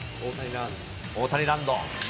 大谷ランド。